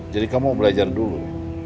jadi kamu mau belajar dulu